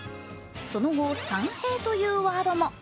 その後、３平というワードも。